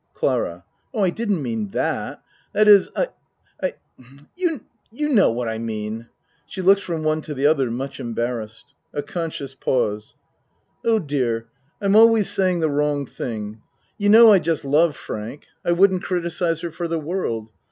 CLARA Oh, I didn't mean that. That is I I you know what I mean. (She looks from one to the other much embarrassed. A conscious pause.) Oh, dear, I'm always saying the wrong thing. You know I just love Frank. I wouldn't criticize her for the world.